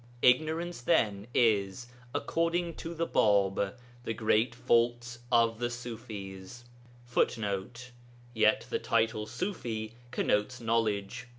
Ignorance, then, is, according to the Bāb, the great fault of the Ṣufis [Footnote: Yet the title Ṣufi connotes knowledge.